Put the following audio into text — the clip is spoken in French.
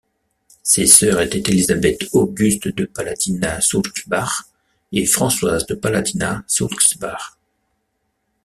Ses sœurs étaient Élisabeth-Auguste de Palatinat-Soulzbach et Françoise de Palatinat-Soulzbach.